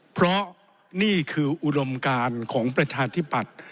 เพราะนี่คืออุดมการของประชาธิปัตย์